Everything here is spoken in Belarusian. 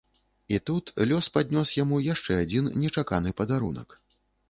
І тут лёс паднёс яму яшчэ адзін нечаканы падарунак.